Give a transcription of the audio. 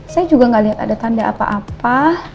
saya juga gak lihat ada tanda apa apa